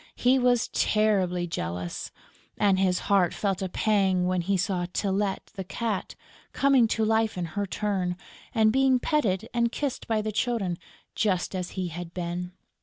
He was terribly jealous; and his heart felt a pang when he saw Tylette, the Cat, coming to life in her turn and being petted and kissed by the Children, just as he had been!